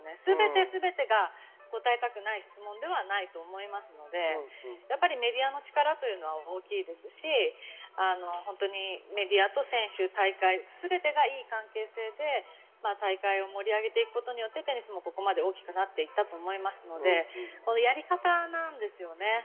全てが答えたくない質問ではないと思いますのでメディアの力は大きいですし、メディアと選手、大会がすべてがいい関係性で大会を盛り上げることでテニスもここまで大きくなったと思うのでやり方なんですよね。